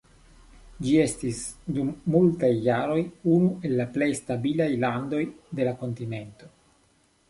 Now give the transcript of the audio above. Ĝi estis dum multaj jaroj unu el la plej stabilaj landoj de la kontinento.